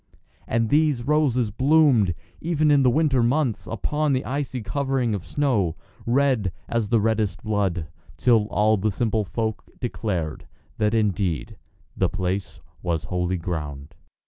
And these roses bloomed, even in the winter months, upon the icy covering of snow, red as the reddest blood, till all the simple folk declared that indeed the place was Holy Ground.